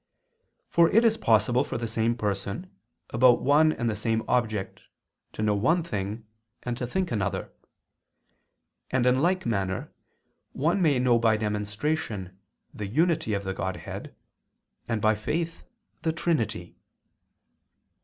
For it is possible for the same person, about one and the same object, to know one thing and to think another: and, in like manner, one may know by demonstration the unity of the Godhead, and, by faith, the Trinity.